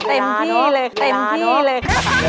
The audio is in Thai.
เต็มที่เลยเต็มที่เลยค่ะ